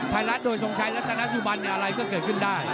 ไทยรัฐโดยทรงชัยรัฐนาสุบันอะไรก็เกิดขึ้นได้